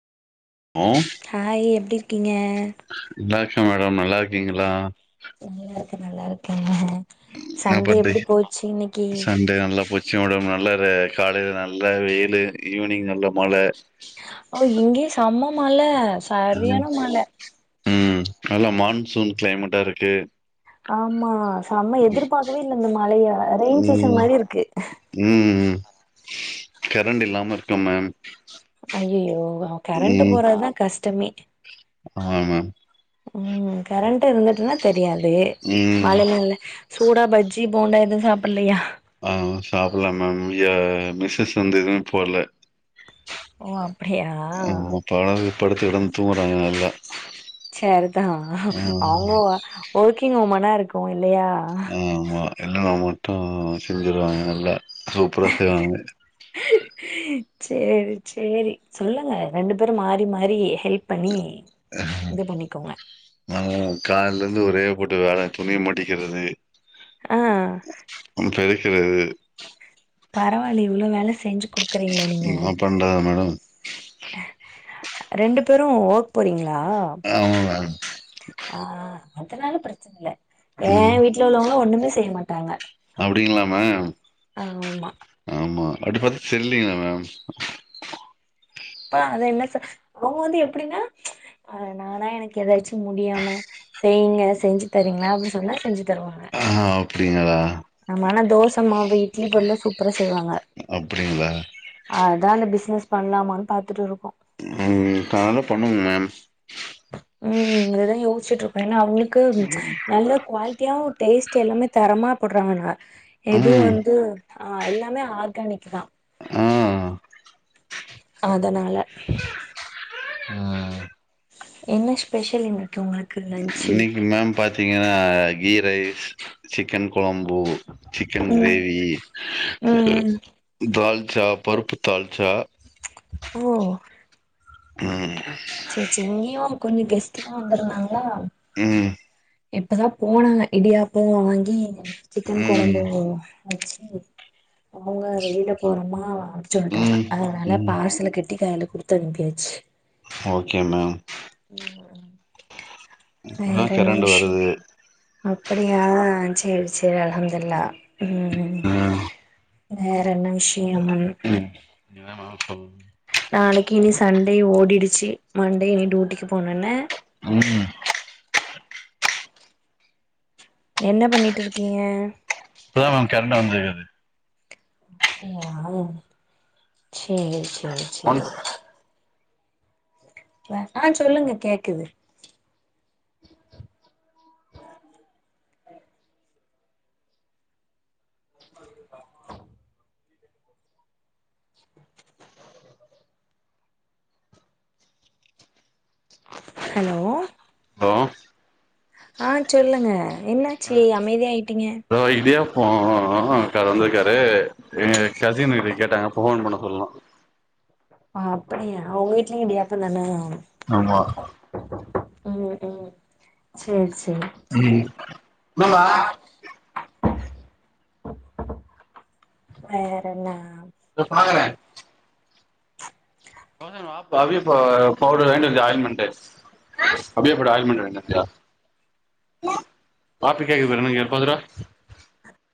Hi எப்டிருக்கிங்க நல்லாருக்கே madam நல்லாருக்கீங்களா நல்லாருக்க நல்லாருக்கே இன்னா பண்றீங்க சண்டே நல்லா போச்சு ஒடம்பு நல்ல நல்ல ரே காலைல நல்ல வெயிலு ஈவினிங் நல்ல மழ ஓ இங்கயு செம்ம மழ ம் சரியான மழ ம் நல்லா மான்சூன் கிளைமெட்டாருக்கு ஆம்மா செம்ம எதிர்பாக்கவே இல்ல இந்த மழய ரெயின் சீசன் மாரிருக்கு கெரண்ட்டில்லாம இருக்க மேம் அய்யய்யோ கெரண்ட்டு ம் போறதுதா கஷ்டமே ஆமா மேம் ம் கரண்ட் இருந்துட்டுன்னா தெரியாது மழ ம் நால சூடா பஜ்ஜி போண்டா எது சாப்பலையா ஆ சாப்புல மேம் ஏ மிஸ்ஸஸ் வந்து எதுவுமே போட்ல ஓ அப்டியா ஆமா பழக படுத்து கெடந்து தூங்குறாங்க நல்ல சர்தா அவுங்க ஒ ஒர்க்கிங் உமனா இருக்கூ இல்லையா இல்லன்னா மட்டு செஞ்சிருவாங்க நல்லா சூப்பரா செய்வாங்க சேரி சேரி சொல்லுங்க ரெண்டு பேரு மாறி மாறி ஹெல்ப் பண்ணி இது பண்ணிக்கோங்க நா கால்லே இருந்து ஒரே போட்டு வேல துணிய மடிக்கிறது ஆ பெருக்குறது பரவால்லயே இவ்ளோ வேல செஞ்சு குடுக்குறீங்களே நீங்க என்னா பண்றாது மேடம் ரெண்டு பேரு ஓர்க் போறீங்ளா ஆமா மேம். ஆ அதனால பிரச்சன இல்ல ம் ஏன் வீட்ல உள்ளவங்ளா ஒண்ணுமே செய்ய மாட்டாங்க அப்டிங்களா மேம் ஆமா ஆமா அப்டி பாத்தா தெரிலிங்களே மேம் அப்ப அத என்ன சொல் அவுங்க வந்து எப்டின்னா ஆ நானா எனக்கு ஏதாச்சு முடியாம செய்ங்க செஞ்சு தரீங்ளா அப்டின் சொன்னா செஞ்சி தருவாங்க ஆ அப்டிங்களா ஆமா ஆனா தோச மாவு இட்லி பொடில்லா சூப்பரா செய்வாங்க அப்டிங்களா அதான பிஸ்னஸ் பண்லாமான் பாத்துட்டு இருக்கோ ம் தாராளமா பண்ணுங்க மேம் ம் அததா யோச்சுட்டு இருக்கோ ஏன்னா அவுங்குளுக்கு நல்ல குவால்டியா டேஸ்ட் எல்லாமே தரமா போட்றாங்கனா எதுவு ம் வந்து ஆ எல்லாமே ஆர்கானிக் தா ஆ அதனால ஆ என்ன ஸ்பெஷல் இன்னக்கி உங்களுக் இன்னக்கி மேம் பாத்தீங்கன்னா கீ ரைஸ் சிக்கன் கொழம்பு ஓ சிக்கன் ம் கிரேவி ம் ம் டால் ச்சா பருப்பு தாள்ச்சா ஓ ம் சேரி சேரி இங்கேயு கொஞ்சோ கெஸ்ட்லா வந்துருந்தாங்கனா ம் இப்பதா போனாங்க இடியாப்போ வாங்கி சிக்கன் ம் கொழம்பு வச்சி அவுங்க வெளில போறோமா அப்டி சொல்டாங்க ம் அதனால ம் பார்சல கட் கட்டி கைல குடுத்து அனுப்பியாச்சு ஓகே மேம் இப்பதா வேற என்ன கரண்ட் விஷயம் வருது அப்படியா சேரி சேரி அளஹம்துல்லா ம் வேற என்ன விஷ ம் [unintelligible] சொல்னும் நாளைக்கி இனி சண்டே ஓடிடுச்சி மண்டே இனி டூட்டிக்கு போனு என்ன ம் என்ன பண்ணிட்டு இருக்கீங்க இப்பதா மேம் கரண்ட் வந்திருக்குது அப்டியா சேரி சேரி ஒன் சேரி ஆ சொல்லுங்க கேக்குது [inaudible] ஹலோ ஓ ஆ சொல்லுங்க என்னாச்சி அமைதியாய் தோ இடியாப்போ க்கா கார் வந்துருக்காரு எங்க கசினுட்ட கேட்டாங்க போன் பண்ண சொல்லனு ஆ அப்படியா அவுங்க வீட்லயு இடியாப்பந்தான ஆமா ம் ம் சேர்ச் ம் என்னப்பா வேறென்னா இதோ பாக்குறே பவி போ போரு வாங்கிட்டு வந்தியா ஆய்ன்மெண்ட்டு அப்டியே போய்ட்டு ஆய்ன்மெண்ட் வாங்கிட்டு வந்தியா பாட்டு கேக்குது இங்க எப்பதுடா